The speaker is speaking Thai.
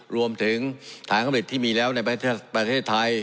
รวมถึงฐานกฤษที่มีแล้วในประเทศไทย